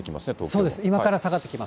そうですね、今から下がってきます。